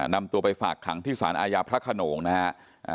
นำตัวไปฝากขังที่สารอาญาพระขนงนะฮะ